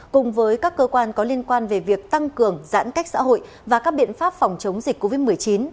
cùng với các cơ quan có liên quan về việc tăng cường giãn cách xã hội và các biện pháp phòng chống dịch covid một mươi chín